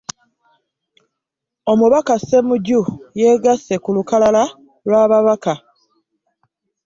Omubaka Ssemujju yeegasse ku lukalala lw'ababaka